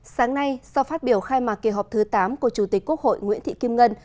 sáng nay sau phát biểu khai mạc kỳ họp thứ tám của chủ tịch quốc hội nguyễn thị kim ngân